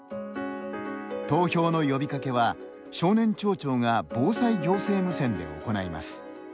投票の呼びかけは少年町長が防災行政無線で行います。